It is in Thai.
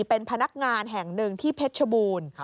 เป็นพนักงานแห่งหนึ่งที่เพชรชบูรณ์